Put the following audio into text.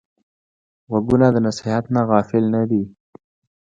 غوږونه د نصیحت نه غافل نه دي